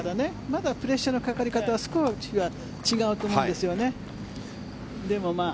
まだプレッシャーのかかり方は少しは違うと思うんですよね。